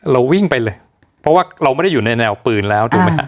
เราวิ่งไปเลยเพราะว่าเราไม่ได้อยู่ในแนวปืนแล้วถูกไหมฮะ